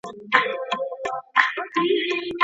د باد په مټو د روانې بېړۍ